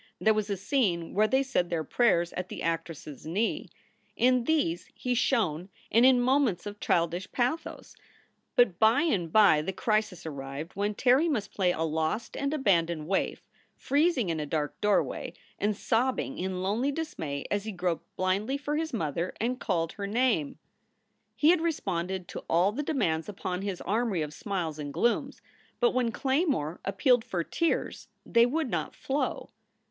There was a scene where they said their prayers at the actress s knee. In these he shone and in moments of childish pathos. But by and by the crisis arrived when Terry must play a lost and abandoned waif freezing in a dark doorway, and sobbing in lonely dismay as he groped blindly for his mother and called her name. 2 6 4 SOULS FOR SALE He had responded to all the demands upon his armory of smiles and glooms, but when Claymore appealed for tears they would not flow.